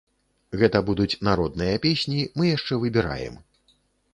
Гэта будуць народныя песні, мы яшчэ выбіраем.